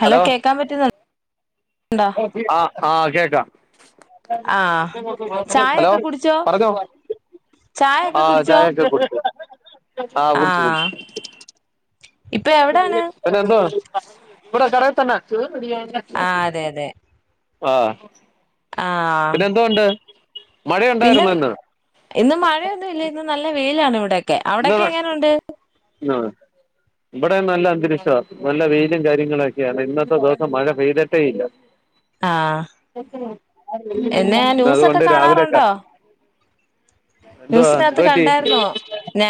Hello കേക്കാൻ പറ്റുന്ന ആ ആഹ് കേക്കാം ആ ഹലോ ചായയൊക്കെ കുടിച്ചോ പറഞ്ഞോ ചായയൊക്കെ ആ കുടിച്ചോ ചായഓകെ കുടിച്ചു ആ കുടിച്ചു ഇപ്പൊ എവിടാണ് പിന്നെ എന്തുവാ ഇവിടെ കടേൽ തന്നെ ആ [unintelligible] അതെ അതെ ആഹ് ആ പിന്നെ മഴയുണ്ടായിരുന്നോ ഇന്ന് ഇന്ന് മഴയൊന്നും ഇല്ല ഇന്ന് നല്ല വെയി ലാണ് ഇവിടെ ക്കെ അവിടൊക്കെ എങ്ങനുണ്ട് ആഹ് ഇവിടെ നല്ല അന്തരീക്ഷം ആ നല്ല വെയിലും കാര്യങ്ങളൊക്കെയാണ് ഇന്നത്തെ ദിവസം മഴ പെയ്തിട്ടേ ഇല്ല ആ എന്നെ ഇന്ന് ന്യൂസൊക്കെ അതുകൊണ്ട് രാവിലൊക്കെ കാണാറുണ്ടോ ന്യൂസിനകത്ത് കണ്ടായിരുന്നോ ഞാ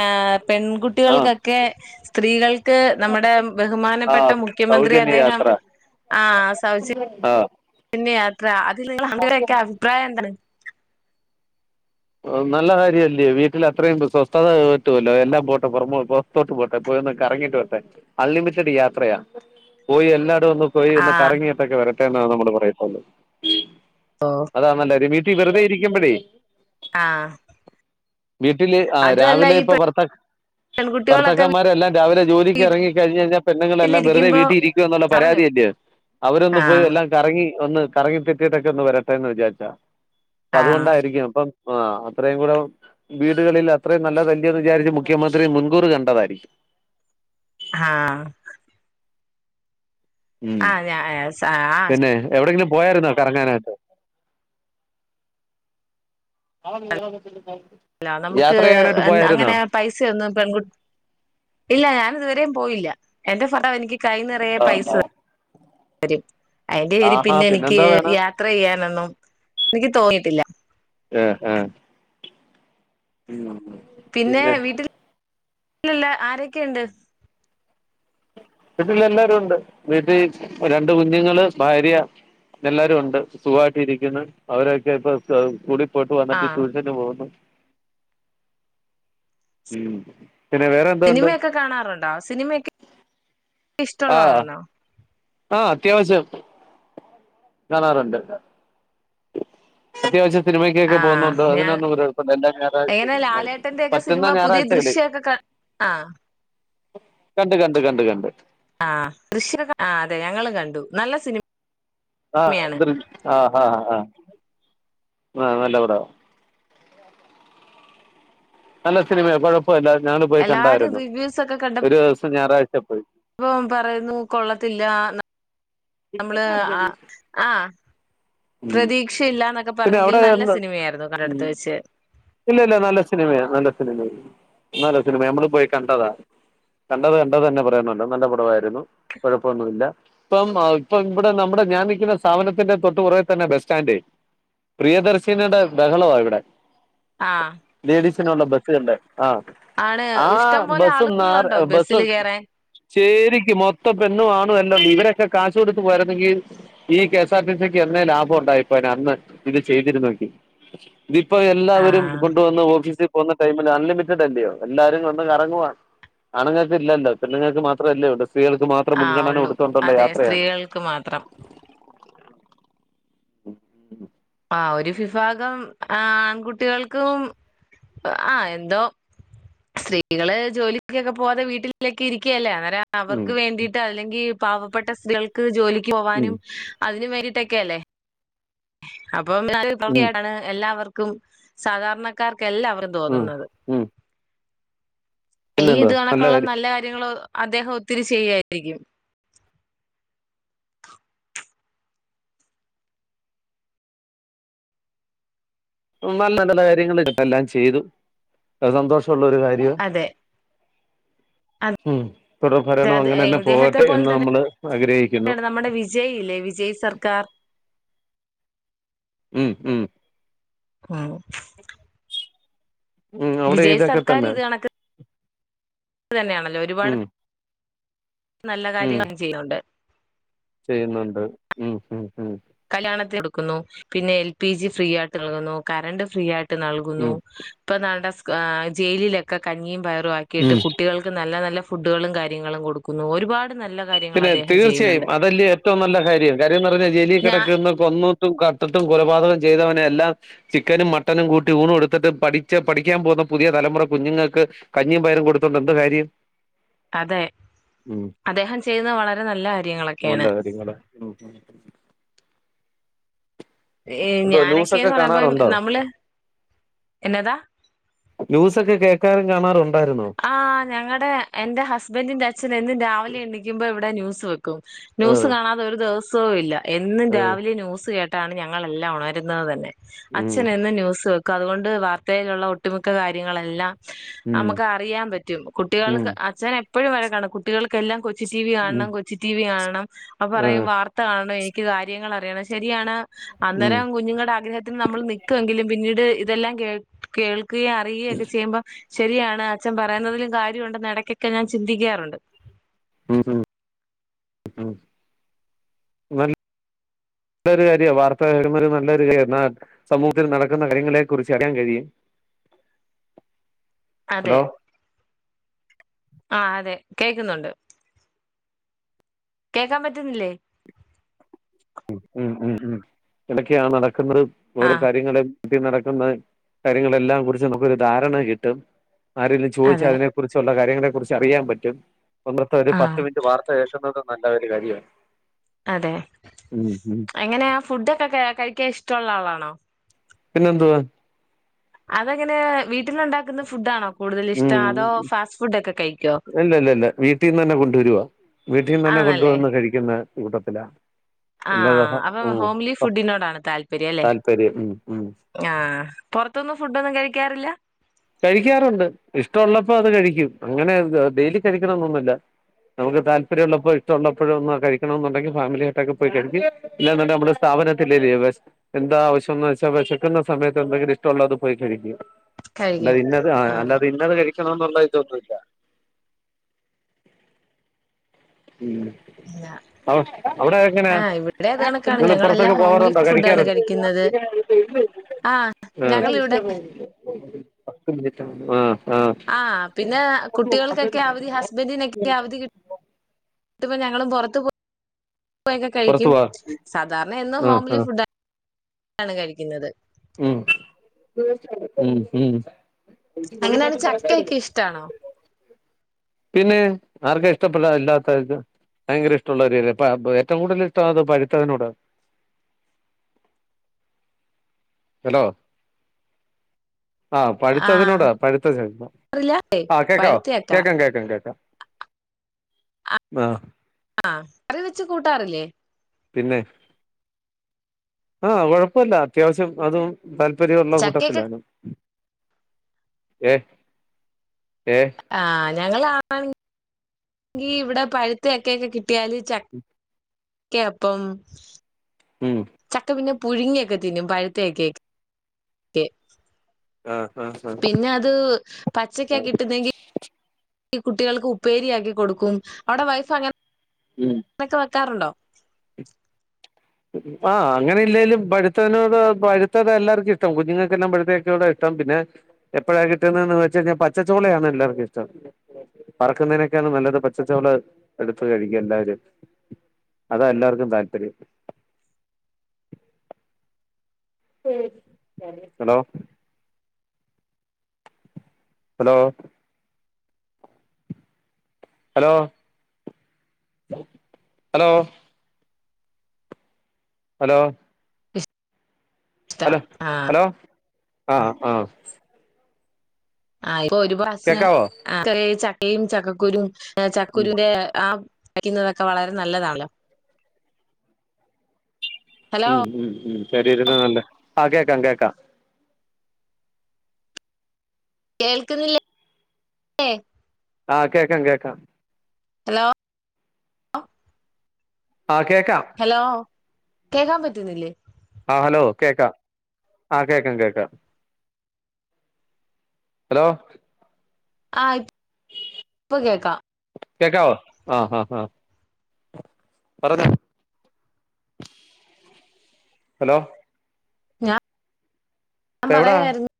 ആ പെൺകുട്ടികൾക്കൊക്കെ സ്ത്രീകൾ ക്ക് നമ്മുടെ ആ ബഹുമാനപ്പെട്ട മുഖ്യമന്ത്രി സൗജന്യ അദ്ദേഹം യാത്ര ആ ആ സൗജന്യ [unintelligible] അവിടൊക്കെ അഭിപ്രായംഎന്താണ് നല്ല കാര്യവല്ലേ വീട്ടിൽ അത്രയും സ്വസ്ഥത കിട്ടുമല്ലോ എല്ലാം പോട്ടെ പൊറമെ പൊറത്തോട്ട് പോട്ടെ പോയൊന്ന് കറങ്ങീട്ട് വരട്ടെ അൺലിമിറ്റഡ് യാത്രയാ പോയി എല്ലാ ഒന്ന് പോയി ആ ഒന്ന് കറങ്ങിട്ടൊക്കെ വരട്ടെ ട്ടേന്നാ നമ്മള് പറയാത്തത്തൊള്ളൂ ഓ അതാ നല്ല [unintelligible] വെറുതെ ഇരിക്കുമ്പഴേ ആഹ് വീട്ടില് ആ രാവിലെ ഇപ്പൊ ഭർത്താക്ക പെൺകുട്ടികളൊക്കെ ഭർത്താക്കന്മാരെല്ലാം രാവിലെ ജോലിക്ക് എറങ്ങി കഴിഞ്ഞയ്ഞ പെണ്ണുങ്ങളെല്ലാം വെറുതെ വീട്ടിലിരിക്കുമ്പോ വീട്ടിൽ ഇരിക്ക എന്നുള്ള പറഞ്ഞോ പരാതിയല്ലയോ അവരൊന്ന് പോയി ആഹ് എല്ലാം കറങ്ങി ഒന്ന് കറങ്ങി തെറ്റിട്ടൊക്കെന്ന് വരട്ടെന്ന് വിചാരിച്ചാ ആഹ് പ്പതുകൊണ്ടായിരിക്കും അപ്പം ആ അത്രയും കൂടെ വീടുകളിൽ അത്രയും നല്ലതല്ലേന്ന് വിചാരിച്ച് മുഖ്യമന്ത്രി മുൻകൂറ് കണ്ടതായിരിക്കും ആ ഉം ആഹ് പിന്നെ എവിടെങ്കിലും പോയാരുന്നോ കറങ്ങാനായിട്ട് ല്ല നമുക്ക് യാത്ര ചെയ്യാനായിട്ട് എൻ പോയായിരുന്നോ അങ്ങനെ പൈസ ഒന്നും പെൺകു ഇല്ല ഞാനിതുവരേം പോയില്ല എന്റെസമയം എനിക്ക് കൈ നിറയെ പൈസ അരി അയിന്റെ പേരിൽ ആഹാ പിന്നെ എനിക്ക് പിന്നെന്താ വേണം യാത്ര ചെയ്യാനൊന്നും നിക്ക് തോന്നീട്ടില്ല ഏ ആ ഉം ഉ പിന്നെ വീട്ടിൽ ല്ല് ആരൊക്കെയുണ്ട് വീട്ടിൽ എല്ലാരും ഉണ്ട് വീട്ടിൽ രണ്ട് കുഞ്ഞുങ്ങള് ഭാര്യ എല്ലാരും ഉണ്ട് സുഖമായിട്ട് ഇരിക്കുന്നു അവരൊക്കെ ഇപ്പൊ സ സ്കൂ ല് പോയിട്ടു വന്നിട്ട് ആഹ് ട്യൂഷന് പോന്നു ഉം പിന്നെ വേറെ എന്തോണ്ട് സിനിമയൊക്കെ കാണാറുണ്ടോ സിനിമയൊക്കെ ആ ഇഷ്ടമുള്ളതണോ ആ അത്യാവശ്യം കാണാറുണ്ട് അത്യാവശ്യ ആ ഞാ എങ്ങനെ ഞായറാഴ്ചയും ലാലേട്ടന്റെയൊക്കെ സിനിമ പറ്റുന്ന പുതിയ ഞായറാഴ്ചകളിൽ ദൃശ്യക്കെ ആ കണ്ട് കണ്ട് കണ്ട് കണ്ട് ആ ദൃശ്യ ആ അതെ ഞങ്ങളും കണ്ടു നല്ല സിനി ആഹ് ദൃ ആഹ് ആഹ് ആഹ് ആ നല്ല പടമാ നല്ല സിനിമയാ കൊഴ എല്ലാരും റിവ്യൂസ് ഒക്കെ കണ്ട ഒരു ദിവസം ഞായറാഴ്ച പോയി പ്പൊ പറയുന്നു കൊള്ളത്തില്ല നമ്മള് ആ ആ ഉം പ്രതീക്ഷയില്ലന്നൊക്കെ പിന്നെ പറഞ്ഞെങ്കിൽ അവിടെ നല്ല എന്താ സിനിമയായിരുന്നു ഉം കണ്ടടുത്ത് വെച്ച് ഇല്ല ഇല്ല നല്ല സിനിമയ നല്ല സിനിമയ നല്ല സിനിമ നമ്മള് പോയി കണ്ടതാ കണ്ടത് കണ്ടത് തന്നെ പറയണല്ലോ നല്ല പടവായിരുന്നു കുഴപ്പൊന്നൂല്ല ഇപ്പം ഇപ്പ ഇവിടെ നമ്മുടെ ഞാൻ നിൽക്കുന്ന സ്ഥാപനത്തിന്റെ തൊട്ട്പുറകേ തന്നെ ബസ് സ്റ്റാൻഡേ പ്രിയദർശിനിയടെ ബഹളവാ ഇവിടെ ആ ള്ള ബസ്സ് കണ്ട ആണ് ഇഷ്ടം പോലെ ആളുകളുണ്ടോ ബസ്സില് കേറാൻ ശരിക്കും മൊത്തം പെണ്ണും ആണും എല്ലാം ഇവരൊക്കെ കാശ് കൊടുത്ത് പോരുന്നെങ്കിൽ ഈ കെഎസ് ആർ ടി സിക്ക് എന്നെ ലാഭം ഉണ്ടായിപ്പോനെ അന്ന് ഇത് ചെയ്തിരുന്നു എങ്കിൽ ഇതിപ്പോ ആ എല്ലാവരും കൊണ്ടുവന്ന ഓഫീസി പോകുന്ന ടൈമിൽ അൺലിമിറ്റഡല്ലയോ എല്ലാരും വന്ന് കറങ്ങുവാ ആണുങ്ങൾക്ക് ഇല്ലല്ലോ പെള്ളുങ്ങൾക്ക് മാത്രമല്ലോ ഉളളു സ്ത്രീകൾക്ക് മാത്രം ആ മുൻഗണന ഉള്ളൂ കൊടുത്തോണ്ടുള്ള അതെ യാത്രയാണ് സ്ത്രീകൾക്ക് മാത്രം ആ ഒരു ഫിഫാഗം ആ ആൺകുട്ടികൾക്കും ആ എന്തോ സ്ത്രീകള് ജോലി കൊക്കെ പോവാതെ വീട്ടിലേക്കെ ഇരിക്കുഅല്ലേ ഉം അവർക്ക് വേണ്ടീട്ട് അല്ലെങ്കിൽ പാവപ്പെട്ട സ്ത്രീകൾക്ക് ജോലി ക്ക് ഉം പോനും അതിന് ണ്ടീട്ടൊക്കെയല്ലേ അപ് പ്പൊ ഉം [unintelligible] എല്ലാവർ ക്കും സാധാരണക്കാർ ക്കെല്ലാവരും ഉം തോന്നുന്നത് ഉം ഈ ഇത് കണക്കുള്ള നല്ല കാര്യങ്ങള് അദ്ദേഹം ഒത്തിരി ചെയ്യായിരിക്കും നല്ല നല്ല കാര്യങ്ങൾ എല്ലാം ചെയ്തു സന്തോഷം ഉള്ളരു കാര്യാ അതെ മ് - അത ഇദ്ദേഹത്തെ പോലെ ആഗ്രഹിക്കുന്നു തന്നെ നമ്മുടെ വിജയ് ഇല്ലേ വിജയ് സർക്കാർ- മ് മ് - [unintelligible] ഉം അവിടെ വിജയ് ഇതൊക്കെ സർക്കാര് തന്നെ ഇത് കണക്ക്- ത് തന്നെയാണല്ലോ ഉം ഒരുപാട്- നല്ല ഉം കാര്യ ചെയ്യൊണ്ട്- ചെയ്യുന്നുണ്ട് ഉം ഉം ഉം- കല്യാണത്തി കൊടുക്കുന്നു പിന്നെ എൽ പി ജി ഫ്രീ ആയിട്ട് നൽകുന്നു കറണ്ട് ഫ്രീ ആയി- നൽകുന്നു ഉം ഇപ്പൊ ദാണ്ടെ- ആ ജയിലിലെക്കെ കഞ്ഞിയും പയർ- ആക്കിയിട്ട് ഉം കുട്ടികൾക്ക് നല്ല നല്ല- ഫുഡുകളും കാര്യങ്ങളും കൊടുക്കുന്നു ഒരുപാട്- നല്ല കാര്യങ്ങൾ പിന്നെ അദ്ദേഹം തീർച്ചയായും ചെയ്യുന്നുണ്ട് അതല്ലിയോ ഏറ്റവും നല്ല കാര്യം കാര്യംന്ന് പറഞ്ഞാൽ ജെലി കെട ഞാ കൊന്നിട്ടുംകട്ടട്ടും കൊലപാതകം ചെയ്തവനെ എല്ലാം ചിക്കനും മട്ടനും കൂട്ടി ഊണും കൊടുത്തിട്ട് പഠിച്ച പഠിക്കാൻ പോകുന്ന പുതിയ തലമുറ കുഞ്ഞുങ്ങൾക്ക് കഞ്ഞിയും പയരും കൊടുത്തോണ്ട് എന്ത്കാര്യം അതെ അദ്ദേഹം- ചെയ്യുന്നത് വളരെ നല്ല നല്ല കാര്യങ്ങളൊക്കെയാണ്- കാര്യങ്ങള് ഉം ഉം എന്തോ ഞാനൊക്കെയന്ന് പറയുമ്പോ നമ്മള്- എന്നതാ ന്യൂ സക്ക കേ ഒക്കെ കാണാറുണ്ട്- ആ ഞങ്ങടെ എന്റെ ഹസ്ബൻഡറിന്റെ അച്ഛന് എന്നും രാവിലെ എണ്ണിക്കുമ്പോ ഇവിടെ ന്യൂസ് വെക്കും- ന്യൂസ് ആഹ് കാണാതെ ഒരു ദെവസ സോവും ഇല്ല- എന്നും ആഹ് രാവിലെ ന്യൂസ് കേട്ട- ട്ടാണ് ഞങ്ങളെല്ലാം ഒണരുന്നത് തന്നെ- ഉം അച്ഛനെന്നും ന്യൂസ് വെക് അതുകൊണ്ട് വാർത്തയിലുള്ള ഒട്ടുമിക്ക കാര്യങ്ങളെല്ലാം- ഉം- നമുക്ക് അറിയാൻ പറ്റും ഉം കുട്ടികൾക്ക് അച്ഛൻ എപ്പോ- എപ്പോഴും വഴക്കാണ് കുട്ടികൾക്കെല്ലാം കൊച്ച് ടി വി ഉം കാണം കൊച്ചി ടി വി കാണണം- അപ്പ പറയും ആഹ് വാർത്ത കാണയെ ക്ക് കാര്യങ്ങൾ അറിയണം ശരിയാണ് ഉം അന്നേരം കുഞ്ഞുങ്ങളുടെ ആഗ്രഹത്തിന് നമ്മൾ നക്കുങ്കിലും പിന്നീട് ഇതെല്ലാം കേ കേൾ ക്കയും അറുകയ ഒക്കെ ചെയ്യുമ്പോ ശരിയാണ് അ... അച്ഛൻ പറയുന്നതിലും കാര്യമുണ്ടെന്ന് ഇടയ്ക്കൊക്കെ ഞാൻ ചിന്തിക്കാറുണ്ട് മം മംമം നല്ലൊരു കാര്യ വാർത്ത ഒരു നല്ലൊരു കാര്യ എന്ന സമൂഹത്തിൽ നടക്കുന്ന കാര്യങ്ങളെ കുറിച്ച് അറിയാൻ കഴിയും അതെ ഹലോ ആ അതെ കേക്കുന്നുണ്ട് കേക്കാൻ പറ്റുന്നില്ലേ ഉ ഉം ഉം ഉം ഇടക്കെണ് നട ആ ഓരോ കാര്യങ്ങള് കട്ടി നടക്കുന്ന കാര്യങ്ങളെല്ലാം കുറിച്ച് നമുക്കരു ധാരണ കിട്ടും ആരെങ്കില ചോദിച്ചാ അതെ അതിനെ കുറിച്ചുള്ള കാര്യങ്ങള കുറിച്ച് അറിയാൻ പറ്റും ഒന്നത്തെ ഒരു ആ പത്ത് മിനിറ്റ് വാർത്ത ന്നത് നല്ല ഒരു കാര്യമാണ് അതെ ഉം ഉം എങ്ങനെയാ ഫുഡൊക്കെ കഴിക്കാൻ ഇഷ്ടമുള്ള ആളാണോ പിന്നെന്തുവാ അതങ്ങനെ വീട്ടിൽുണ്ടാക്കുന്ന ഫുഡ് ആണോ ഉ കഴിക്കോ ഇല്ല ഇല്ല ഇല്ല വീട്ടീന്ന് തന്നെ കൊണ്ടുവരുവാ വീട്ടിൽന്ന് തന്നെ കൊണ്ടുവന്ന് കഴിക്കുന്ന.... കൂട്ടത്തില ആഹ അപ്പൊ ഹോംലി ഫുഡിനോടാണ് താല്പര്യം അല്ലെ താല്പര്യം ഉം ഉം ആ പുറത്തൊന്നും ഫുഡൊന്നും കഴിക്കാറില്ല കഴിക്കാറുണ്ട് ഇഷ്ടമുള്ളപ്പോ അത് കഴിക്കും അങ്ങനെ ഡെയിലി കഴിക്കണംന്നൊന്നുമില്ല അലല്ലാ കഴിക്കും ഇന്നത് ആ അല്ലത ഇന്നത് കഴി ഭക്ഷണം ഒന്നുണ്ടായിട്ടൊന്നുല്ല ഉ അവ അവിടെ എങ്ങനെയ ആ ഇവിടെ അത് കണക്കാണ് നി പുറത്തൊക്കെ ഞങ്ങളെല്ലാം ഹോംലി പോവാറുണ്ടോ ഫുഡാണ് കഴിക്കാറുണ്ട് കഴിക്കുന്നത് ആ ആ ഞങ്ങളിവിടെ പത്ത് മനിറ്റാണ് എ ആ ആ പിന്നെ കുട്ടികൾക്കൊക്കെ അവധി ഹസ്ബൻഡിനൊക്കെ അവധി കിട്ട ട്ടുമ്പോ ഞങ്ങളും പുറത്തു പോ കൊക്കെ പുറത്തു കഴിക്കും പോവാ സാധാരണ ഇന്ന് ആ ഹോംലി ആ ഫുഡ ടാണ് കഴിക്കുന്നത് ഉം ഉം ഉം.... അങ്ങനെയാണെ ചക്കയൊക്കെ ഇഷ്ടാണോ പിന്നെ ആർക്കാ ഇഷ്ടപ്പെടാൻ ഇല്ലത്തെ ഭയങ്കര ഇഷ്ടമുള്ള കാര്യമല്ലേ ഏറ്റവും കൂടുതൽ ഇഷ്ടം അത് പഴുത്തതിനോടാ ഹലോ ആ ആ പഴുത്തതിനോടാ പഴുത്ത ചക്ക അറിയില്ല ആ കേക്കാവോ പഴുത്തയക്ക കേക്കാം കേക്കാം കേക്കാം ആഹ് ആ കറിവെച്ച് കൂട്ടാറില്ലേ പിന്നെ ആഹ് കൊഴപ്പില്ല അത്യാവശ്യം അതും താല്പര്യമുള്ള ചക്കയൊക്കെ കൂട്ടത്തിലാണ് ഏ ഏ ആഹ് ഞങ്ങളാണെ ഈ ഇവിടെ പഴുത്ത ചക്കയൊക്കെ കിട്ടിയാല് ചക്കപ്പം ഉം ചക്ക പിന്നെ പുഴുങ്ങിയൊക്കെ തിന്നും പഴുത്തചക്കയൊക്കെ ആ ആ ആ പിന്നെ അത് പച്ചക്കാ കിട്ടുന്നെങ്കി ഈ കുട്ടികൾക്ക് ഉപ്പേരിയാക്കി കൊടുക്കും അവിടെ വൈഫ് അങ്ങനെ ഒക്കെ വെക്കാറുണ്ടോ ആഹ് അങ്ങനെ ഇല്ലേലും പഴുത്തതിനോട് പഴുത്തത് എല്ലാർക്കും ഇഷ്ടം കുഞ്ഞുങ്ങക്കെല്ലാം പഴുത്ത ചക്കയോടാ ഇഷ്ടം പിന്നെ എപ്പഴാ കിട്ടുന്നേന്ന് വെച്ച കഴിഞ്ഞാൽ പച്ചച്ചോളയാണ് എല്ലാർക്കും ഇഷ്ടം വറുക്കുന്നതിനെക്കാൾ നല്ലത് പച്ചച്ചോള എടുത്തു കഴിക്കും എല്ലാരും അതാ എല്ലാർക്കും താല്പര്യം hello hello hello hello hello ഇഷ്ടം ഹലോ ആ ഹലോ ആഹ് ആ ആ ഇപ്പൊ ഒരു ഭാഷ കേക്കാവോ ഇത്രേം ചക്ക ചക്കയും ചക്കക്കുരും ഉം ചക്കുരുന്റെ ആ വെക്കുന്നതൊക്കെ വളരെ നല്ലതാണല്ലോ ഹലോ ഉം ഉം ഉം പോരീരുന്ന നല്ലേ ആ കേക്കാം കേക്കാം കേൾക്കുന്നില്ലേ ആ കേക്കാം കേക്കാം ഹലോ ആ കേക്കാം ഹലോ കേക്കാൻ പറ്റുന്നില്ലേ ആ ഹലോ കേക്കാം ആ കേക്കാം കേക്കാം ഹലോ ആ ഇപ്പ കേക്കാം കേക്കാവോ ഹാ ഹാ ഹാ പറഞ്ഞോ ഹലോ ഞാൻ എവിടാ പറയായിരുന്നു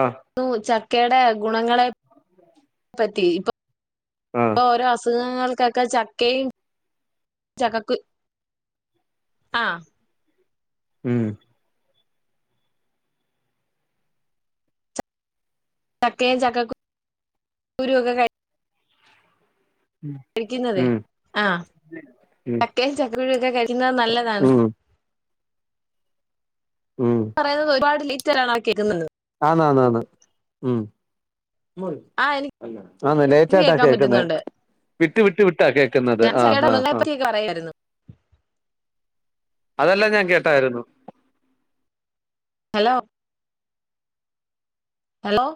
ആ ചക്കയുടെ ഗുണങ്ങളെ [inaudible] പറ്റി ഇപ്പൊ ആ [inaudible] ഇപ്പോ ഓരോ അസുഖങ്ങൾ ചക്കയും ചക്കക്കുരു ആഹ [inaudible] ഉം [inaudible] ചക്കയും ചക്കക്കുരു കഴി കഴിക്കുന്നതെ ഉം ആഹ ഉം ചക്കയും ചക്കക്കുരുവും ഒക്കെ കഴിക്കുന്നത് നല്ലതാണ് [inaudible] ഉം ഉം [inaudible] പറയണത് ഒരുപാട് [unintelligible] ആ കേൾക്കുന്നത് ആഹ് ആ ലേറ്റ എനിക്ക് ആയിട്ടാ കേക്കാൻ കേക്കുന്നെ പറ്റുന്നുണ്ട് വിട്ട് വിട്ട് വിട്ടാ കേക്കുന്നത് ഞാൻ ചക്കയുടെ ആഹ് ആഹ് ഗുണങ്ങളെ ആ പറ്റിയൊക്കെ പറയായിരുന്നു. അതെല്ലാം ഞാൻ കേട്ടായിരുന്നു [inaudible] ഹലോ [inaudible] ഹലോ [inaudible]